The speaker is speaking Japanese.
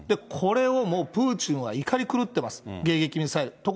これをもう、プーチンは怒り狂ってます、迎撃ミサイル。